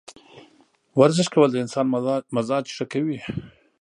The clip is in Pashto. ورزش کول د انسان مزاج ښه کوي.